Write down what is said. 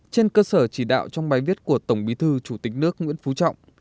trên cơ sở chỉ đạo trong bài viết của tổng bí thư chủ tịch nước nguyễn phú trọng